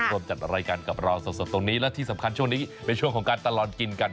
ร่วมจัดรายการกับเราสดตรงนี้และที่สำคัญช่วงนี้ในช่วงของการตลอดกินกัน